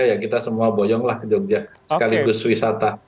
ya kita semua boyonglah ke jogja sekaligus wisata